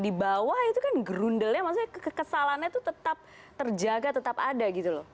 di bawah itu kan gerundelnya maksudnya kekesalannya itu tetap terjaga tetap ada gitu loh